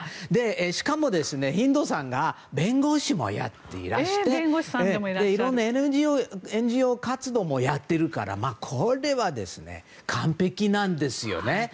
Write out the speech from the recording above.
しかもヒンドーさんが弁護士もやっていらしてＮＧＯ活動もやっているからこれは完璧なんですよね。